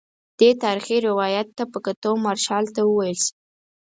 دې تاریخي روایت ته په کتو مارشال ته وویل شي.